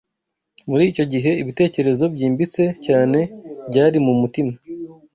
Muri icyo gihe, ibitekerezo byimbitse cyane byari mu mutima